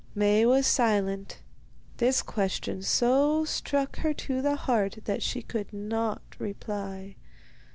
Maie was silent. This question so struck her to the heart that she could not reply.